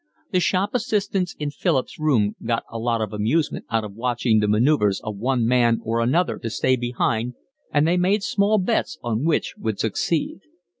The shop assistants in Philip's room got a lot of amusement out of watching the manoeuvres of one man or another to stay behind, and they made small bets on which would succeed.